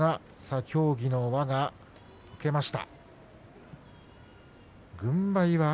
協議の輪が解けました。